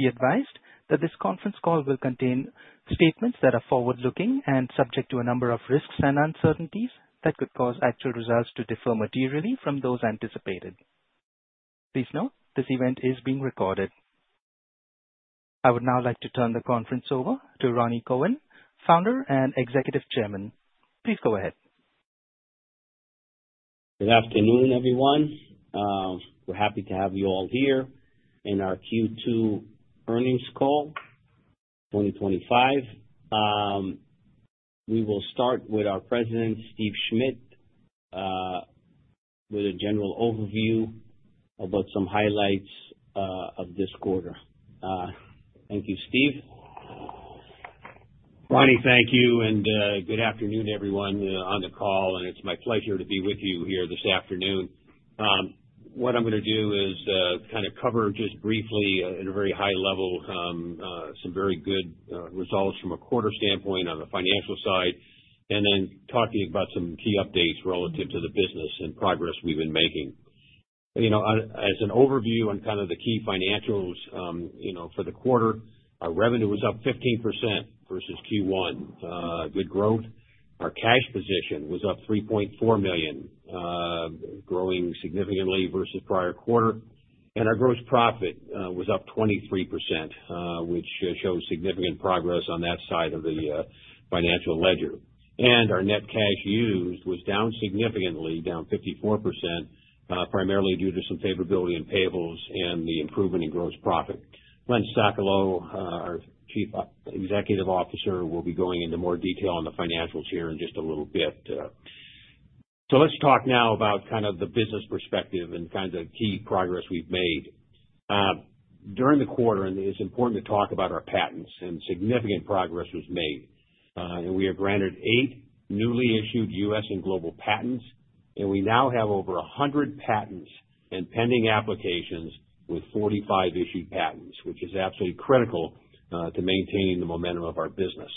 Please be advised that this conference call will contain statements that are forward-looking and subject to a number of risks and uncertainties that could cause actual results to differ materially from those anticipated. Please note this event is being recorded. I would now like to turn the conference over to Rani Kohen, Founder and Executive Chairman. Please go ahead. Good afternoon, everyone. We're happy to have you all here in our Q2 earnings call 2025. We will start with our President, Steve Schmidt, with a general overview about some highlights of this quarter. Thank you. Steve? Rani, thank you, and good afternoon, everyone, on the call. It's my pleasure to be with you here this afternoon. What I'm going to do is cover just briefly at a very high level some very good results from a quarter standpoint on the financial side, and then talk to you about some key updates relative to the business and progress we've been making. As an overview on the key financials, for the quarter, our revenue was up 15% versus Q1, good growth. Our cash position was up $3.4 million, growing significantly versus prior quarter. Our gross profit was up 23%, which shows significant progress on that side of the financial ledger. Our net cash used was down significantly, down 54%, primarily due to some favorability in payables and the improvement in gross profit. Leonard Sokolow, our Chief Executive Officer, will be going into more detail on the financials here in just a little bit. Let's talk now about the business perspective and the key progress we've made. During the quarter, it's important to talk about our patents, and significant progress was made. We have granted eight newly issued U.S. and global patents, and we now have over 100 patents and pending applications with 45 issued patents, which is absolutely critical to maintain the momentum of our business.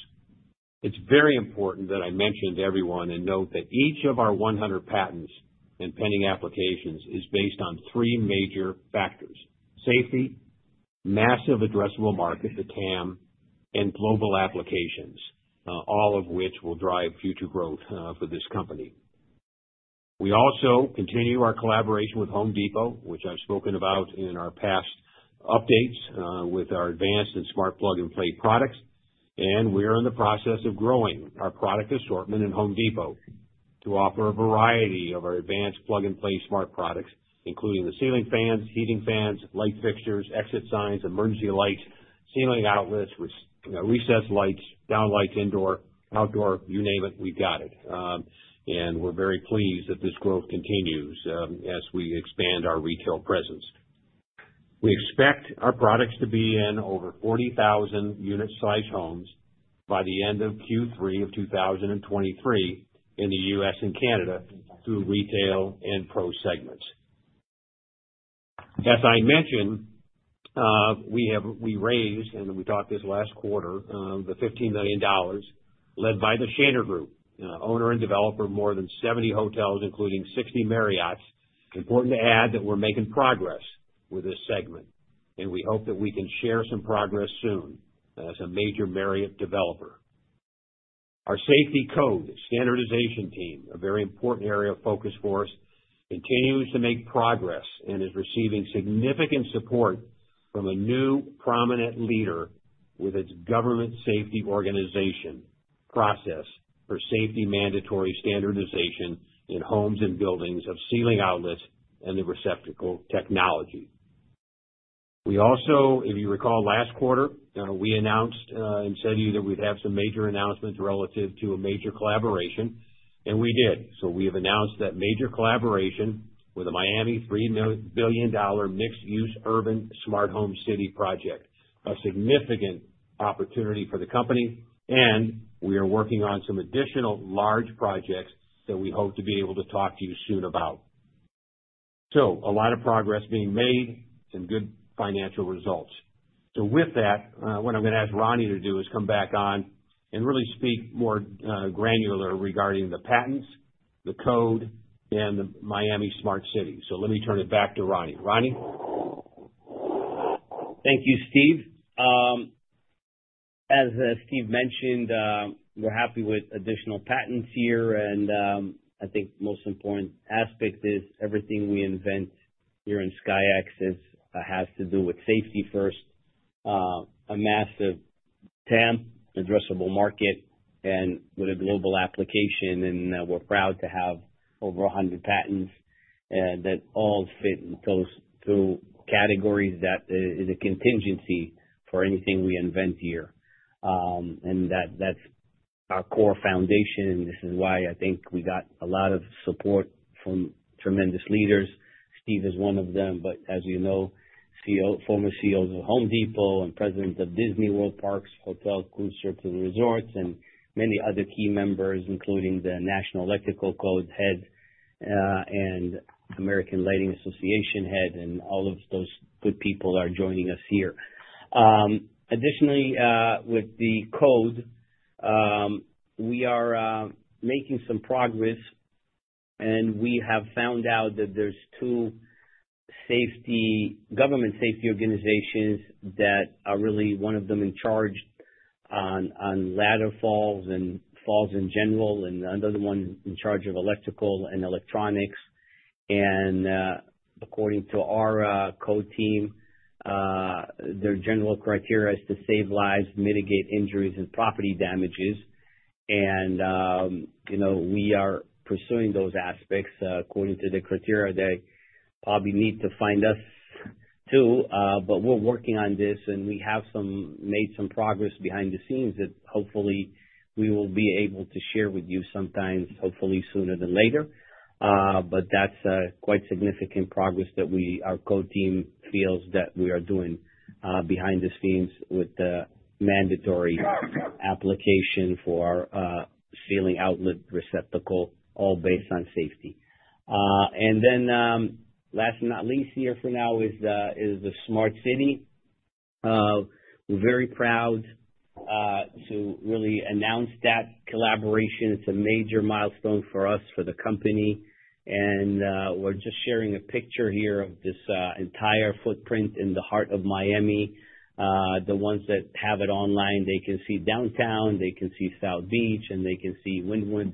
It's very important that I mention to everyone and note that each of our 100 patents and pending applications is based on three major factors: safety, massive addressable market, the TAM, and global applications, all of which will drive future growth for this company. We also continue our collaboration with Home Depot, which I've spoken about in our past updates with our advanced smart plug-and-play products. We're in the process of growing our product assortment at Home Depot to offer a variety of our advanced plug-and-play smart products, including ceiling fans, heating fans, light fixtures, exit signs, emergency lights, advanced ceiling and electrical outlet, recessed lights, down lights, indoor/outdoor, you name it, we've got it. We're very pleased that this growth continues as we expand our retail presence. We expect our products to be in over 40,000 unit-sized homes by the end of Q3 of 2023 in the U.S. and Canada through retail and pro segments. As I mentioned, we raised, and we thought this last quarter, the $15 million led by the Shaner Group, owner and developer of more than 70 hotels, including 60 Marriotts. Important to add that we're making progress with this segment, and we hope that we can share some progress soon as a major Marriott developer. Our safety code standardization team, a very important area of focus for us, continues to make progress and is receiving significant support from a new prominent leader with its government safety organization process for safety mandatory standardization in homes and buildings of ceiling outlets and the receptacle technology. If you recall last quarter, we announced and said to you that we'd have some major announcements relative to a major collaboration, and we did. We have announced that major collaboration with a Miami $3 billion mixed-use urban smart home city project, a significant opportunity for the company, and we are working on some additional large projects that we hope to be able to talk to you soon about. A lot of progress is being made and good financial results. With that, what I'm going to ask Rani to do is come back on and really speak more granular regarding the patents, the code, and the Miami Smart City. Let me turn it back to Rani. Rani? Thank you, Steve. As Steve mentioned, we're happy with additional patents here, and I think the most important aspect is everything we invent here in SKYX has to do with safety first, a massive TAM, addressable market, and with a global application. We're proud to have over 100 patents, and that all fit into those two categories that is a contingency for anything we invent here. That's our core foundation, and this is why I think we got a lot of support from tremendous leaders. Steve is one of them, but as you know, former CEOs of Home Depot and Presidents of Disney World Parks, Hotels, Cruiser to the Resorts, and many other key members, including the National Electrical Code Head and American Lighting Association Head, and all of those good people are joining us here. Additionally, with the code, we are making some progress, and we have found out that there's two government safety organizations that are really one of them in charge on ladder falls and falls in general, and another one in charge of electrical and electronics. According to our code team, their general criteria is to save lives, mitigate injuries, and property damages. You know we are pursuing those aspects according to the criteria they probably need to find us too. We're working on this, and we have made some progress behind the scenes that hopefully we will be able to share with you sometimes, hopefully sooner than later. That's quite significant progress that our code team feels that we are doing behind the scenes with the mandatory application for our ceiling outlet and receptacle technology, all based on safety. Last but not least here for now is the smart city. We're very proud to really announce that collaboration. It's a major milestone for us, for the company. We're just sharing a picture here of this entire footprint in the heart of Miami. The ones that have it online, they can see downtown, they can see South Beach, and they can see Wynwood.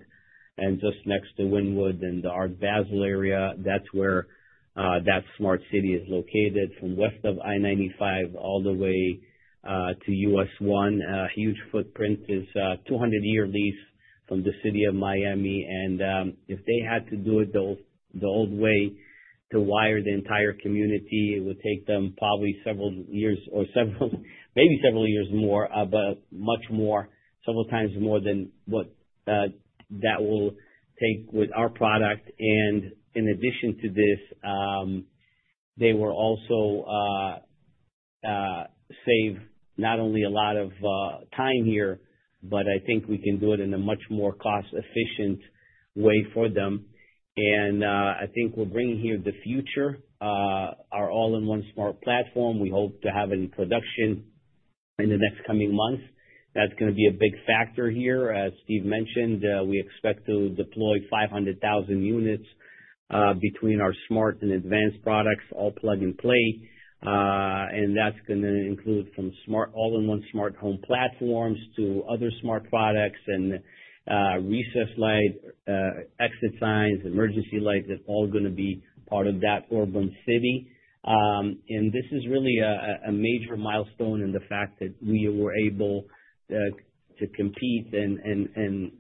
Just next to Wynwood and Art Basel area, that's where that smart city is located from West of I-95 all the way to US 1. A huge footprint is a 200-year lease from the City of Miami. If they had to do it the old way to wire the entire community, it would take them probably several years or several, maybe several years more, but much more, several times more than what that will take with our product. In addition to this, they will also save not only a lot of time here, but I think we can do it in a much more cost-efficient way for them. I think we're bringing here the future, our all-in-one smart platform. We hope to have it in production in the next coming months. That is going to be a big factor here. As Steve mentioned, we expect to deploy 500,000 units between our smart and advanced products, all plug-and-play. That is going to include from smart all-in-one smart home platforms to other smart products and recessed lights, exit signs, emergency lights. It's all going to be part of that urban city. This is really a major milestone in the fact that we were able to compete in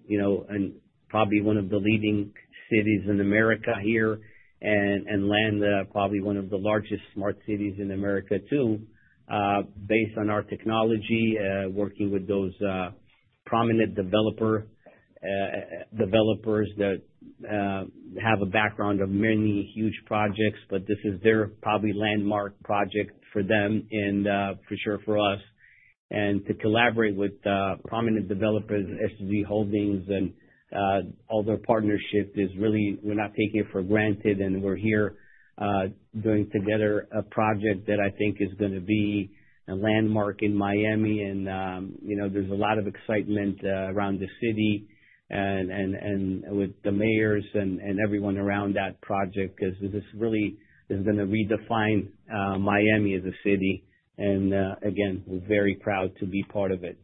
probably one of the leading cities in America here and land probably one of the largest smart cities in America too, based on our technology, working with those prominent developers that have a background of many huge projects. This is their probably landmark project for them and for sure for us. To collaborate with prominent developers, SG Holdings, and all their partnership is really, we're not taking it for granted. We're here doing together a project that I think is going to be a landmark in Miami. You know there's a lot of excitement around the city and with the mayors and everyone around that project because this really is going to redefine Miami as a city. Again, we're very proud to be part of it.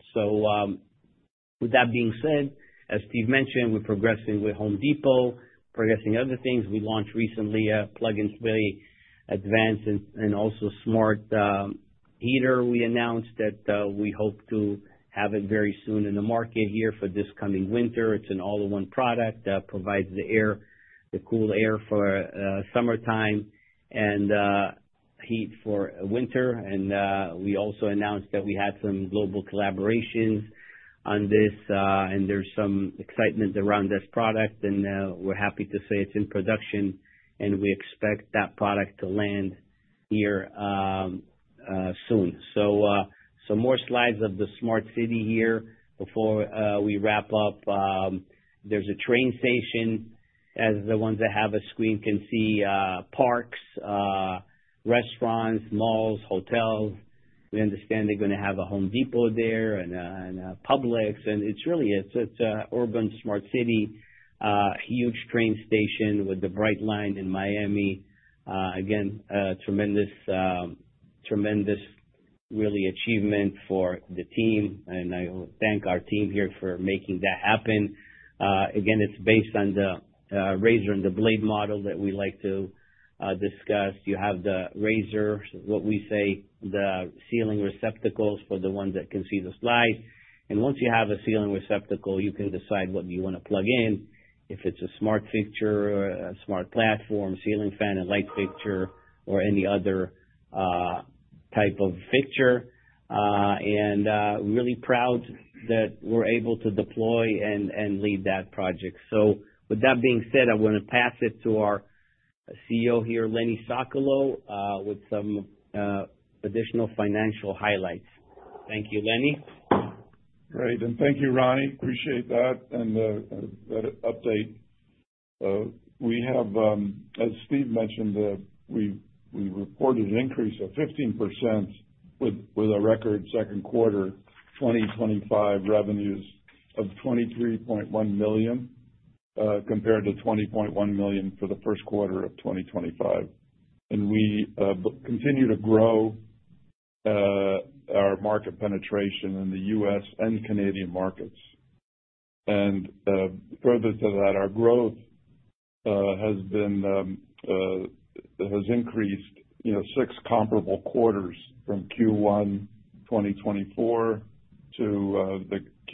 With that being said, as Steve mentioned, we're progressing with Home Depot, progressing other things. We launched recently a plug-and-play advanced and also smart heater. We announced that we hope to have it very soon in the market here for this coming winter. It's an all-in-one product that provides the cool air for summertime and heat for winter. We also announced that we had some global collaborations on this, and there's some excitement around this product. We're happy to say it's in production, and we expect that product to land here soon. Some more slides of the smart city here before we wrap up. There's a train station, as the ones that have a screen can see, parks, restaurants, malls, hotels. We understand they're going to have a Home Depot there and a Publix. It's really, it's an urban smart city, huge train station with the Brightline in Miami. Again, tremendous, really, achievement for the team. I thank our team here for making that happen. Again, it's based on the razor and the blade model that we like to discuss. You have the razor, what we say, the ceiling receptacles for the ones that can see the slides. Once you have a ceiling receptacle, you can decide what you want to plug in, if it's a smart fixture or a smart platform, ceiling fan, a light fixture, or any other type of fixture. Really proud that we're able to deploy and lead that project. With that being said, I want to pass it to our CEO here, Leonard Sokolow, with some additional financial highlights. Thank you, Lenny. Great. Thank you, Rani. Appreciate that and that update. As Steve mentioned, we reported an increase of 15% with a record second quarter 2025 revenues of $23.1 million compared to $20.1 million for the first quarter of 2025. We continue to grow our market penetration in the U.S. and Canadian markets. Further to that, our growth has increased six comparable quarters from Q1 2024 to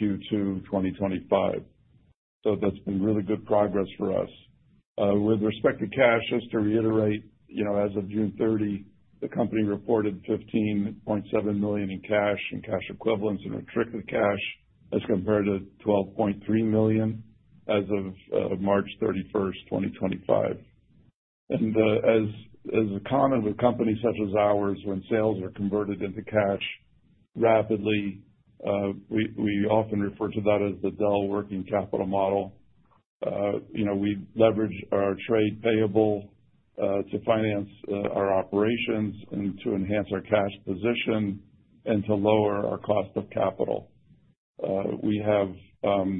Q2 2025. That's been really good progress for us. With respect to cash, just to reiterate, as of June 30, the company reported $15.7 million in cash and cash equivalents and restricted cash as compared to $12.3 million as of March 31st, 2025. As is common with companies such as ours, when sales are converted into cash rapidly, we often refer to that as the Dell working capital model. We leverage our trade payable to finance our operations and to enhance our cash position and to lower our cost of capital. We have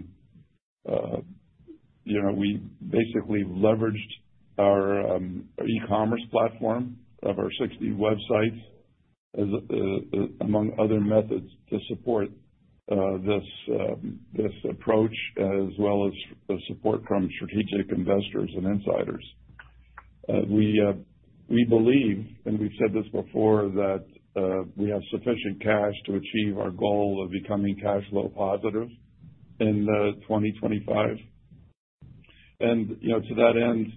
basically leveraged our e-commerce platform of our 60 websites among other methods to support this approach, as well as the support from strategic investors and insiders. We believe, and we've said this before, that we have sufficient cash to achieve our goal of becoming cash flow positive in 2025. To that end,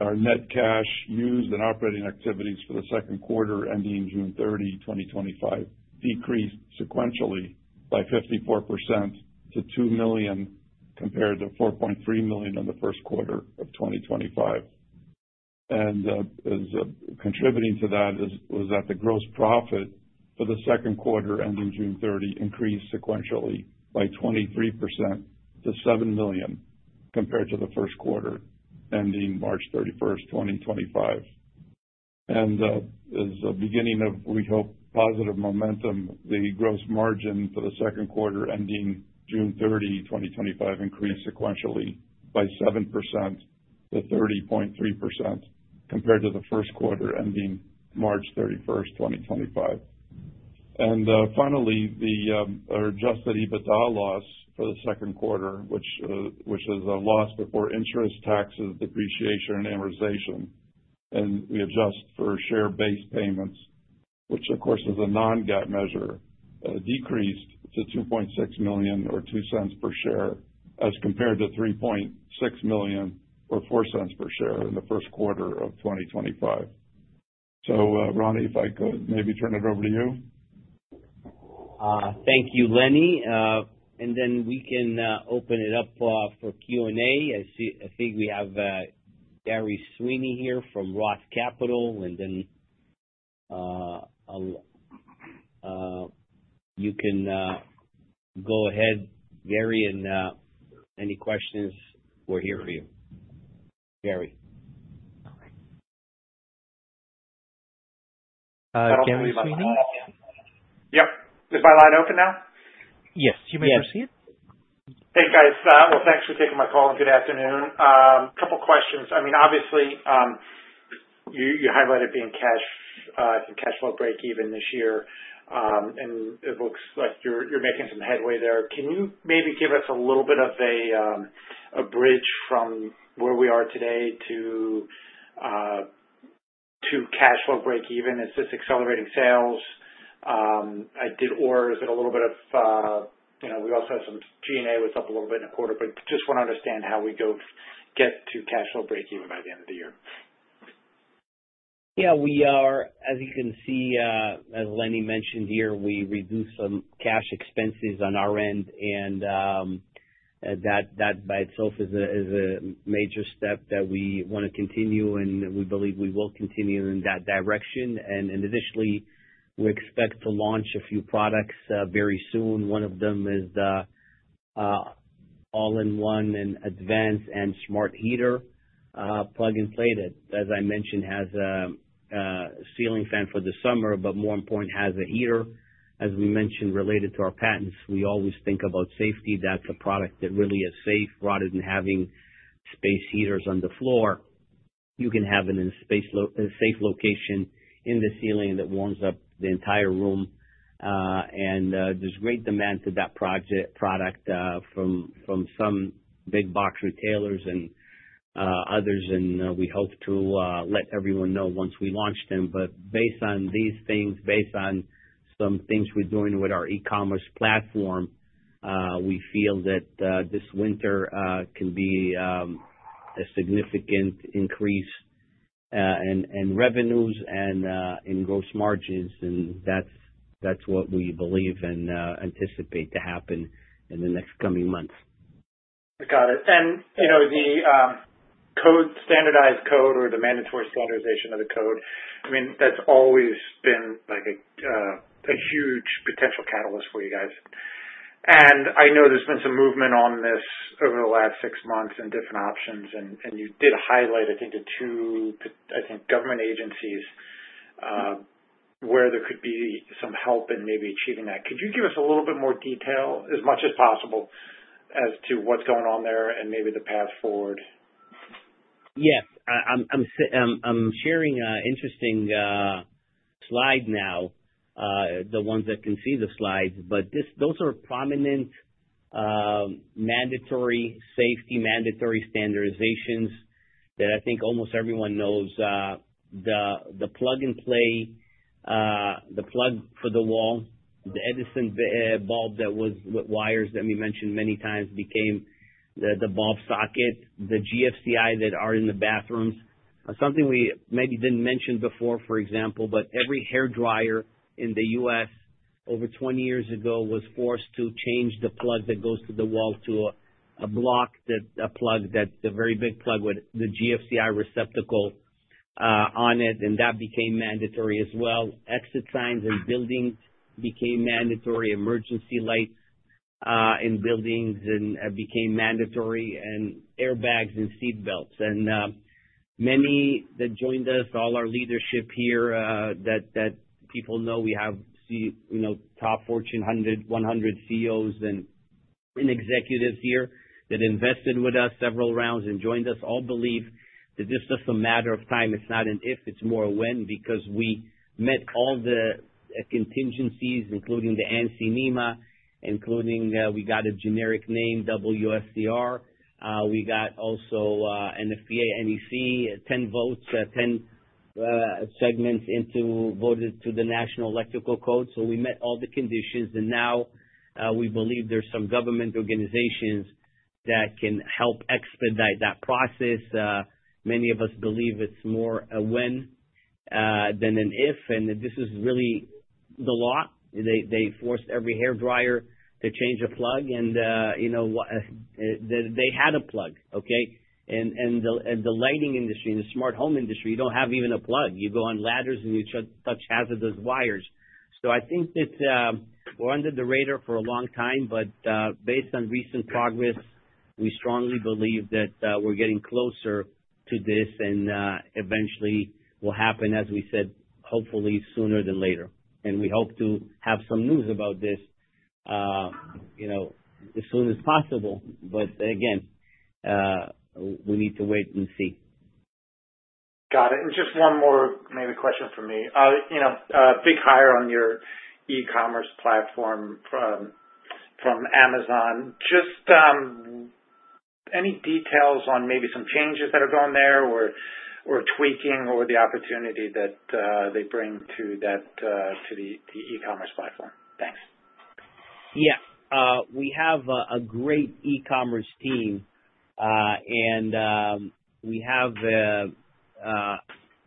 our net cash used in operating activities for the second quarter ending June 30th, 2025, decreased sequentially by 54% to $2 million compared to $4.3 million in the first quarter of 2025. Contributing to that was that the gross profit for the second quarter ending June 30 increased sequentially by 23% to $7 million compared to the first quarter ending March 31, 2025. At the beginning of, we hope, positive momentum, the gross margin for the second quarter ending June 30, 2025, increased sequentially by 7% to 30.3% compared to the first quarter ending March 31st, 2025. Finally, the adjusted EBITDA loss for the second quarter, which is a loss before interest, taxes, depreciation, and amortization, and we adjust for share-based payments, which, of course, is a non-GAAP measure, decreased to $2.6 million or $0.02 per share as compared to $3.6 million or $0.04 per share in the first quarter of 2025. Rani, if I could maybe turn it over to you. Thank you, Lenny. We can open it up for Q&A. I think we have Gerry Sweeney here from ROTH Capital. You can go ahead, Gerry, and any questions, we're here for you. Gerry. Gerry, you see me? Yes. Is my line open now? Yes, you may proceed. Hey, guys. Thanks for taking my call and good afternoon. A couple of questions. I mean, obviously, you highlighted being cash, I think, cash flow break even this year. It looks like you're making some headway there. Can you maybe give us a little bit of a bridge from where we are today to cash flow break even? Is this accelerating sales? I did orders and a little bit of, you know, we also have some G&A was up a little bit in the quarter, but just want to understand how we go get to cash flow break even by the end of the year. Yeah, we are, as you can see, as Lenny mentioned here, we reduced some cash expenses on our end. That by itself is a major step that we want to continue, and we believe we will continue in that direction. Additionally, we expect to launch a few products very soon. One of them is the all-in-one and advanced and smart heater plug-and-play that, as I mentioned, has a ceiling fan for the summer, but more importantly, has a heater. As we mentioned, related to our patents, we always think about safety. That's a product that really is safe. Rather than having space heaters on the floor, you can have it in a safe location in the ceiling that warms up the entire room. There's great demand for that product from some big box retailers and others. We hope to let everyone know once we launch them. Based on these things, based on some things we're doing with our e-commerce platform, we feel that this winter can be a significant increase in revenues and in gross margins. That's what we believe and anticipate to happen in the next coming months. I got it. You know the standardized code or the mandatory standardization of the code, that's always been like a huge potential catalyst for you guys. I know there's been some movement on this over the last six months in different options. You did highlight, I think, the two government agencies where there could be some help in maybe achieving that. Could you give us a little bit more detail, as much as possible, as to what's going on there and maybe the path forward? Yeah. I'm sharing an interesting slide now, the ones that can see the slides. Those are prominent mandatory safety, mandatory standardizations that I think almost everyone knows. The plug-and-play, the plug for the wall, the Edison bulb that was with wires that we mentioned many times became the bulb socket, the GFCI that are in the bathrooms, something we maybe didn't mention before, for example. Every hairdryer in the U.S. over 20 years ago was forced to change the plug that goes to the wall to a block, a plug that's a very big plug with the GFCI receptacle on it. That became mandatory as well. Exit signs in buildings became mandatory. Emergency lights in buildings became mandatory. Airbags and seat belts. Many that joined us, all our leadership here, people know we have, you know, top Fortune 100 CEOs and executives here that invested with us several rounds and joined us all believe that this is just a matter of time. It's not an if, it's more a when because we met all the contingencies, including the ANSI, NEMA, including we got a generic name, WSCR. We got also NFPA, NEC, 10 votes, 10 segments into voted to the National Electrical Code. We met all the conditions. Now we believe there's some government organizations that can help expedite that process. Many of us believe it's more a when than an if. This is really the law. They forced every hairdryer to change a plug. You know what? They had a plug, okay? The lighting industry and the smart home industry, you don't have even a plug. You go on ladders and you touch hazardous wires. I think that we're under the radar for a long time. Based on recent progress, we strongly believe that we're getting closer to this. Eventually, what will happen, as we said, hopefully sooner than later. We hope to have some news about this as soon as possible. Again, we need to wait and see. Got it. Just one more maybe question from me. You know, a big hire on your e-commerce platform from Amazon. Just any details on maybe some changes that are going there or tweaking or the opportunity that they bring to that to the e-commerce platform? Thanks. Yeah. We have a great e-commerce team. We have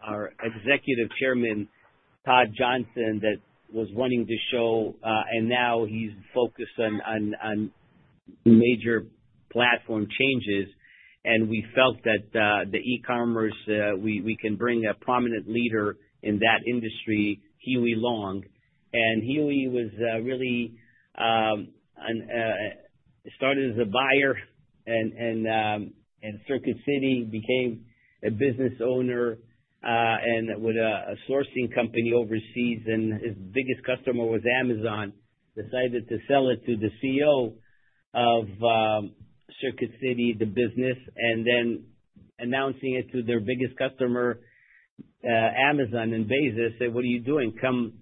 our Executive Chairman, Todd Johnson, that was running the show. Now he's focused on major platform changes. We felt that for e-commerce, we could bring a prominent leader in that industry, Huey Long. Huey really started as a buyer at Circuit City, became a business owner with a sourcing company overseas. His biggest customer was Amazon. He decided to sell it to the CEO of Circuit City, the business, and then announcing it to their biggest customer, Amazon, and Bezos said, "What are you doing? Come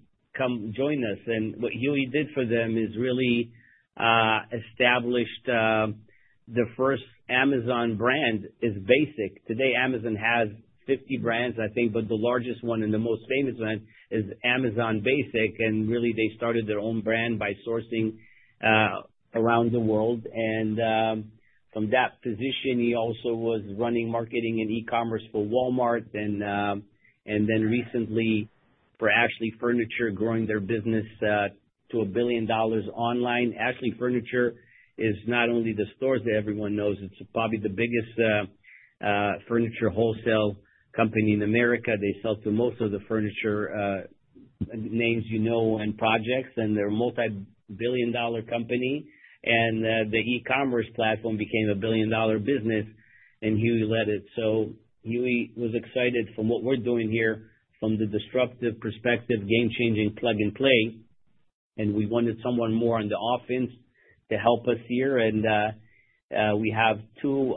join us." What Huey did for them is really established the first Amazon brand, which is Basic. Today, Amazon has 50 brands, I think, but the largest one and the most famous one is Amazon Basic. They started their own brand by sourcing around the world. From that position, he also was running marketing and e-commerce for Walmart. Recently, for Ashley Furniture, growing their business to $1 billion online. Ashley Furniture is not only the stores that everyone knows, it's probably the biggest furniture wholesale company in America. They sell to most of the furniture names you know and projects. They're a multi-billion dollar company. The e-commerce platform became a $1 billion business, and Huey led it. Huey was excited from what we're doing here from the disruptive perspective, game-changing plug-and-play. We wanted someone more on the offense to help us here. We have two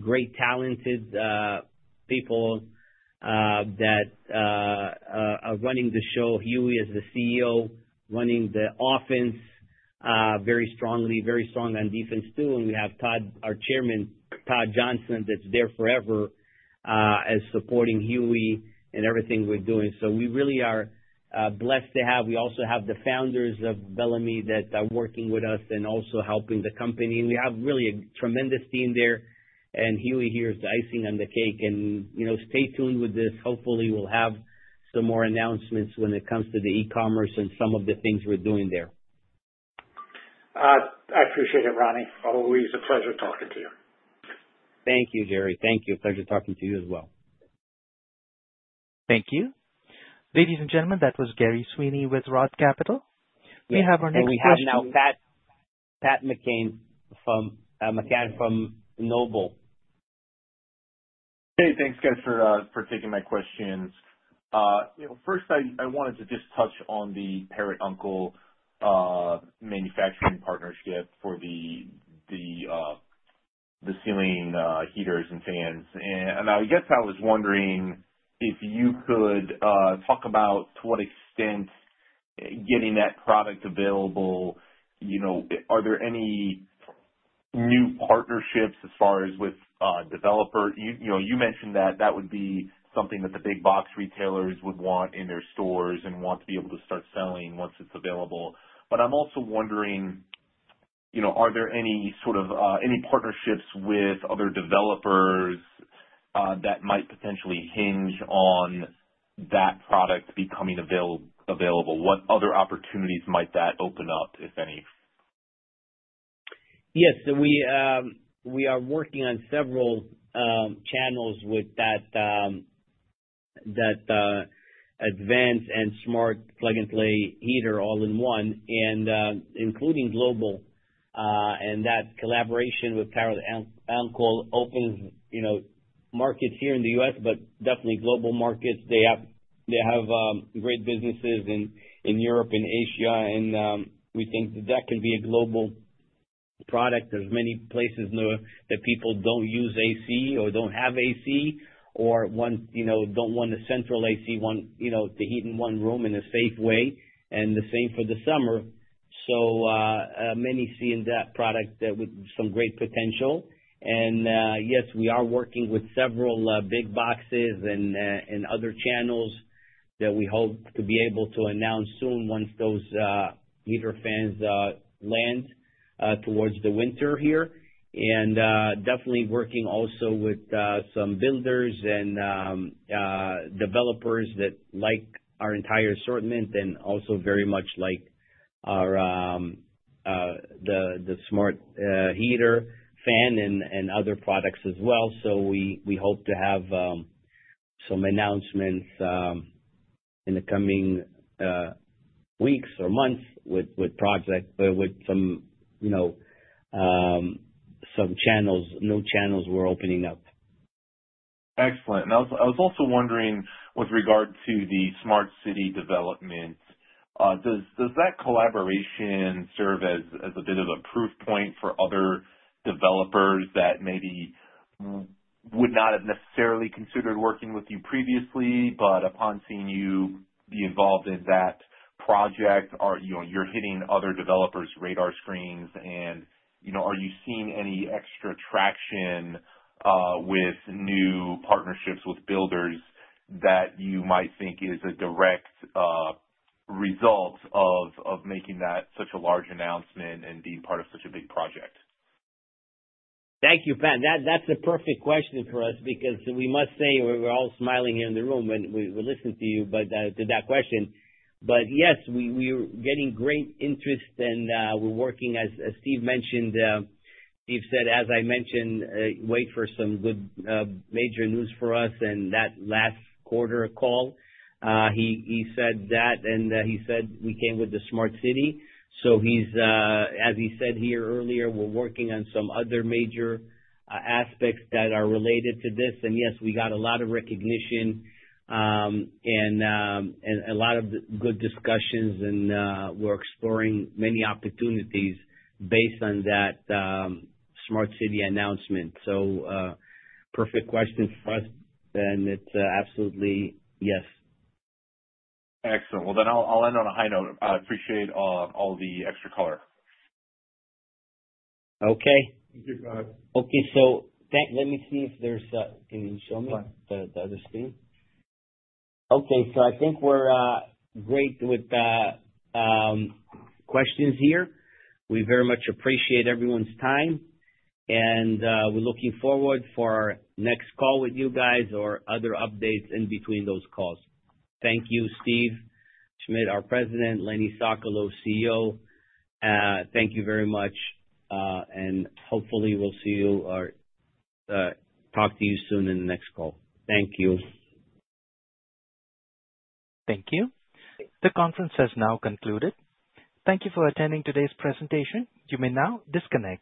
great talented people that are running the show. Huey is the CEO, running the offense very strongly, very strong on defense too. We have Todd, our Chairman, Todd Johnson, that's there forever as supporting Huey in everything we're doing. We really are blessed to have. We also have the founders of Bellamy that are working with us and also helping the company. We have really a tremendous team there. Huey here is the icing on the cake. Stay tuned with this. Hopefully, we'll have some more announcements when it comes to the e-commerce and some of the things we're doing there. I appreciate it, Rani. Always a pleasure talking to you. Thank you, Gerry. Thank you. A pleasure talking to you as well. Thank you. Ladies and gentlemen, that was Gerry Sweeney with ROTH Capital. We have our next guest. We have now Pat McCann from NOBLE. Hey, thanks guys for taking my questions. First, I wanted to just touch on the Parrot Uncle manufacturing partnership for the ceiling heaters and fans. I was wondering if you could talk about to what extent getting that product available. Are there any new partnerships as far as with developer? You mentioned that that would be something that the big box retailers would want in their stores and want to be able to start selling once it's available. I'm also wondering, are there any partnerships with other developers that might potentially hinge on that product becoming available? What other opportunities might that open up, if any? Yes. We are working on several channels with that advanced and smart plug-and-play heater all in one, including global. That collaboration with Parrot Uncle opens markets here in the U.S., but definitely global markets. They have great businesses in Europe and Asia. We think that can be a global product because many places know that people don't use AC or don't have AC or don't want a central AC, want to heat in one room in a safe way. The same for the summer. Many see in that product some great potential. Yes, we are working with several big boxes and other channels that we hope to be able to announce soon once those heater fans land towards the winter here. We are definitely working also with some builders and developers that like our entire assortment and also very much like the smart heater fan and other products as well. We hope to have some announcements in the coming weeks or months with projects with some channels, new channels we're opening up. Excellent. I was also wondering, with regard to the smart city development, does that collaboration serve as a bit of a proof point for other developers that maybe would not have necessarily considered working with you previously, but upon seeing you be involved in that project, you're hitting other developers' radar screens? You know, are you seeing any extra traction with new partnerships with builders that you might think is a direct result of making that such a large announcement and being part of such a big project? Thank you, Pat. That's a perfect question for us because we must say we're all smiling here in the room when we listen to that question. Yes, we are getting great interest and we're working, as Steve mentioned. Steve said, as I mentioned, wait for some good major news for us in that last quarter call. He said that and he said we came with the smart city. As he said here earlier, we're working on some other major aspects that are related to this. Yes, we got a lot of recognition and a lot of good discussions, and we're exploring many opportunities based on that smart city announcement. Perfect question for us, and it's absolutely yes. Excellent. I'll end on a high note. I appreciate all the extra color. Okay. Thank you. Go ahead. Okay. Can you show me the other screen? I think we're great with questions here. We very much appreciate everyone's time, and we're looking forward to our next call with you guys or other updates in between those calls. Thank you, Steve Schmidt, our President, Lenny Sokolow, CEO. Thank you very much, and hopefully, we'll see you or talk to you soon in the next call. Thank you. Thank you. The conference has now concluded. Thank you for attending today's presentation. You may now disconnect.